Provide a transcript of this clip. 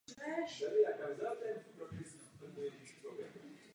Jsme za to zodpovědní.